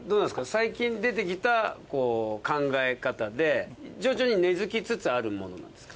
最近出てきた考え方で徐々に根づきつつあるものなんですか？